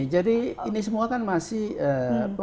jadi ini semua kan masih pemahaman publik